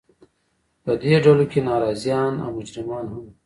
په دې ډلو کې ناراضیان او مجرمان هم وو.